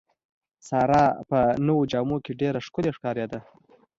ساره په نوو جامو کې ډېره ښکلې ښکارېده.